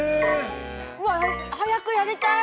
うわっ、早くやりたい！